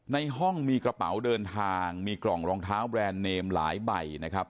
ในห้องมีกระเป๋าเดินทางมีกล่องรองเท้าแบรนด์เนมหลายใบนะครับ